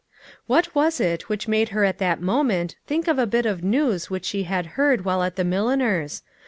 What was it which made her at that moment think of a bit of news which she had heard while at the milliner's?